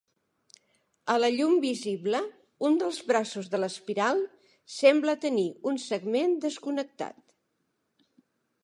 A la llum visible, un dels braços de l'espiral sembla tenir un segment desconnectat.